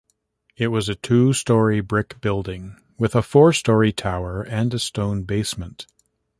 It was a two-story brick building with a four-story tower and a stone basement.